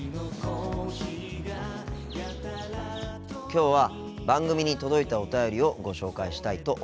きょうは番組に届いたお便りをご紹介したいと思います。